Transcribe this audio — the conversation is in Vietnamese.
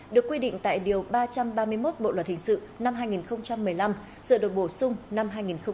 được quy định tại điều ba trăm ba mươi một bộ luật hình sự năm hai nghìn một mươi năm sửa đổi bổ sung năm hai nghìn một mươi bảy